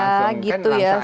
kan langsung ada siluetnya